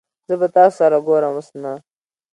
زه به تاسو سره ګورم اوس نه